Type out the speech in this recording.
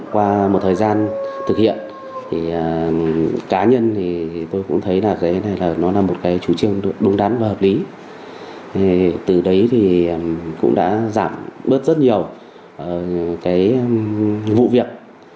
qua một thời gian thực hiện cá nhân tôi cũng thấy là cái này là một chủ trương đúng đắn và hợp lý từ đấy cũng đã giảm bớt rất nhiều vụ việc